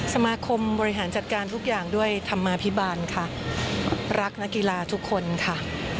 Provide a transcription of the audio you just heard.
สมาคมบริหารจัดการทุกอย่างด้วยธรรมาภิบาลค่ะรักนักกีฬาทุกคนค่ะ